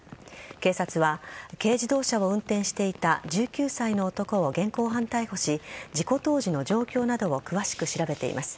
警察は軽自動車を運転していた１９歳の男を現行犯逮捕し事故当時の状況などを詳しく調べています。